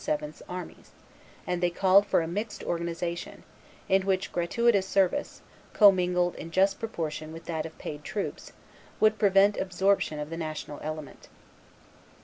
's armies; and they called for a mixed organization, in which gratuitous service, commingled in just proportion with that of paid troops, would prevent absorption of the national element.